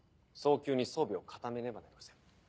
早急に装備を固めねばなりません。